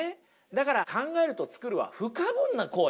だから考えると作るは不可分な行為。